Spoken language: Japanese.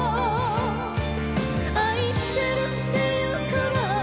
「『愛してる』って言うから」